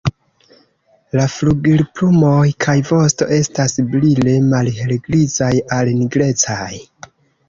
La flugilplumoj kaj vosto estas brile malhelgrizaj al nigrecaj.